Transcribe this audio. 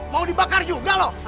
mau dibakar juga lo